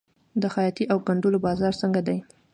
د خیاطۍ او ګنډلو بازار څنګه دی؟